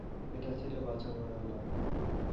এটা ছিল বাঁচা-মরার লড়াই।